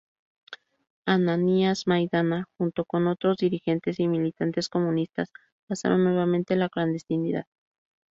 Ananías Maidana, junto con otros dirigentes y militantes comunistas pasaron nuevamente a la clandestinidad.